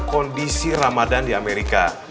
kondisi ramadan di amerika